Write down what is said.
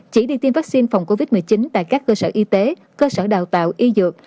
chỉ đi tiêm vaccine phòng covid một mươi chín tại các cơ sở y tế cơ sở đào tạo y dược